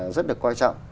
rất là quan trọng